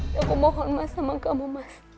ya aku mohon mas sama kamu mas